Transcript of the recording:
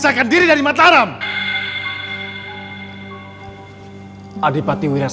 jangan kasihn channel ini sama dia yangprames